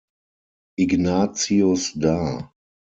Ignatius" dar.